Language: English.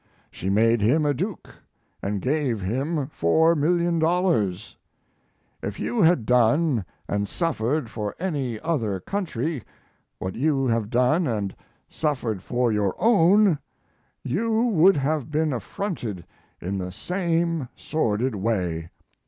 She made him a duke and gave him $4,000,000. If you had done and suffered for any other country what you have done and suffered for your own you would have been affronted in the same sordid way.